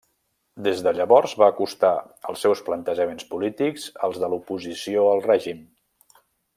Des de llavors va acostar els seus plantejaments polítics als de l'oposició al règim.